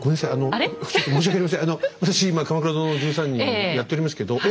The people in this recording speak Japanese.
あの私今「鎌倉殿の１３人」やっておりますけどえ？